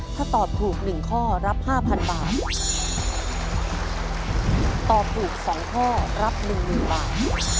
ถ้าตอบถูกหนึ่งข้อรับห้าพันบาทตอบถูกสองข้อรับหนึ่งหมื่นบาท